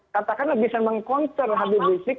katakanlah bisa mengkonter habib rizieq